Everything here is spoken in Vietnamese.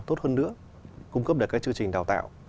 tốt hơn nữa cung cấp được các chương trình đào tạo